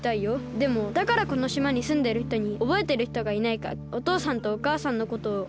でもだからこのしまにすんでるひとにおぼえてるひとがいないかおとうさんとおかあさんのことをきいてみようかとおもって。